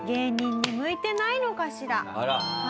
あら。